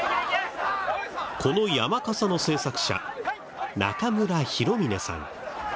この山笠の制作者中村弘峰さん。